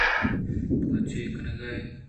تو چے کنگ ءَ ئے؟